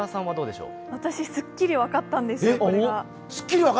私、スッキリ分かったんですよ、これが。